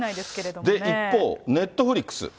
一方、ネットフリックス。